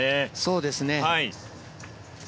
そうですね。